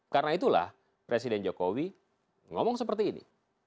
karena itulah presiden jokowi ngomong seperti ini